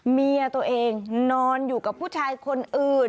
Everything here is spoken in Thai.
เมียตัวเองนอนอยู่กับผู้ชายคนอื่น